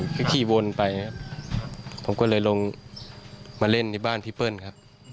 ก็ขี่วนไปครับผมก็เลยลงมาเล่นที่บ้านพี่เปิ้ลครับ